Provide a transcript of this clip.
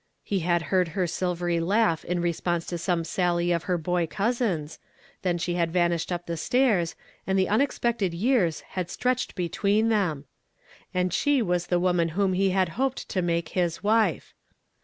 He had heard her silvery laugh in re sponse to some sally of her boy cousin's, then she had vanished up the staire, and the unexpected years had stretched between them ! And she was the woman whom he had hoped to make his wife.